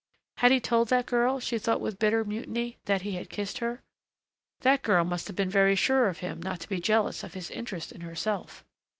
Had he told that girl, she thought with bitter mutiny, that he had kissed her? That girl must have been very sure of him not to be jealous of his interest in herself!